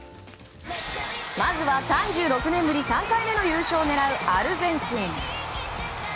まずは３６年ぶり３回目の優勝を狙うアルゼンチン。